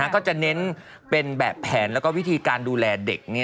ก็จะเน้นเป็นแบบแผนแล้วก็วิธีการดูแลเด็ก